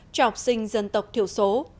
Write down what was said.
cho học sinh dân tộc thiểu số